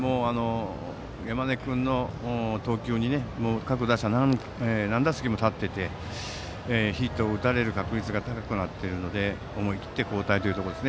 山根君の投球に対して各打者が何打席も立っていてヒットを打たれる確率が高くなっているので思い切って交代というところです。